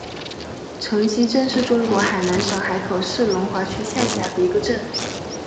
城西镇是中国海南省海口市龙华区下辖的一个镇。